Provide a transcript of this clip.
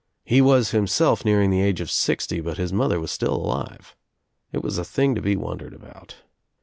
He was himself nearing the age of sixty but his mother was still alive. It was a thing to be wondered about.